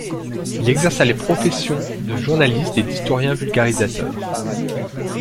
Il exerça les professions de journaliste et d'historien vulgarisateur.